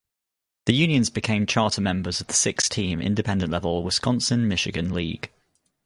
The Unions became charter members of the six–team Independent level Wisconsin–Michigan League.